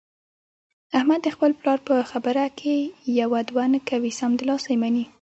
احمد د خپل پلار په خبره کې یوه دوه نه کوي، سمدلاسه یې مني.